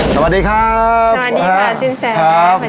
สวัสดีครับสวัสดีค่ะสินสาชัยสวัสดีค่ะ